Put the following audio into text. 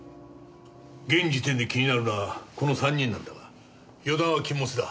現時点で気になるのはこの３人なんだが予断は禁物だ。